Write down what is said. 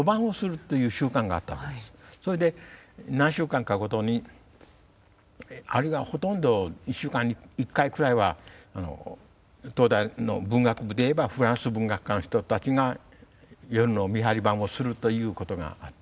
それで何週間かごとにあるいはほとんど１週間に１回くらいは東大の文学部でいえばフランス文学科の人たちが夜の見張り番をするということがあった。